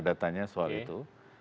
datanya soal itu